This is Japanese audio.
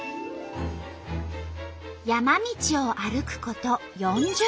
山道を歩くこと４０分。